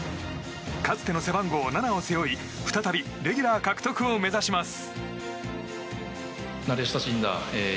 かつての背番号、７を背負い再びレギュラー獲得を目指します。